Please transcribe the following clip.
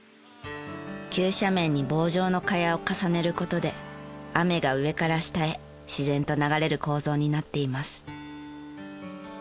急斜面に棒状の茅を重ねる事で雨が上から下へ自然と流れる構造になっています。